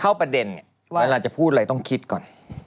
เข้าประเด็นเวลาจะพูดอะไรต้องคิดก่อน